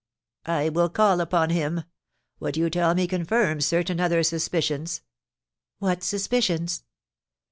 "I will call upon him. What you tell me confirms certain other suspicions." "What suspicions?"